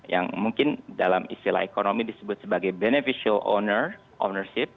yang mungkin dalam istilah ekonomi disebut sebagai beneficial owner ownership